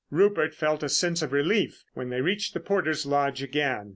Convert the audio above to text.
Rupert felt a sense of relief when they reached the porter's lodge again.